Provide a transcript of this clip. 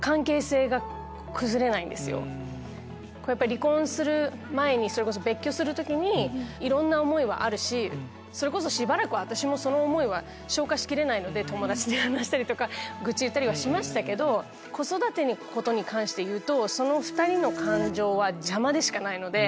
離婚する前に別居する時にいろんな思いはあるししばらく私もその思いは消化しきれないので友達に話したりとか愚痴言ったりはしましたけど子育てのことに関していうと２人の感情は邪魔でしかない。